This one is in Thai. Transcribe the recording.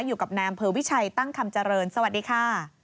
อยู่กับนายอำเภอวิชัยตั้งคำเจริญสวัสดีค่ะ